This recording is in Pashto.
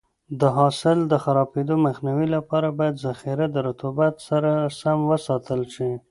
د حاصل د خرابېدو مخنیوي لپاره باید ذخیره د رطوبت سره سم وساتل شي.